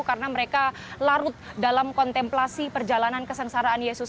karena mereka larut dalam kontemplasi perjalanan kesengsaraan yesus